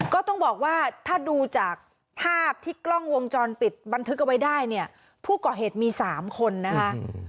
ก็ต้องบอกว่าถ้าดูจากภาพที่กล้องวงจรปิดบันทึกเอาไว้ได้เนี่ยผู้ก่อเหตุมี๓คนนะคะ